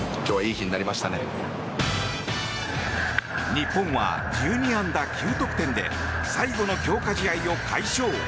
日本は１２安打９得点で最後の強化試合を快勝。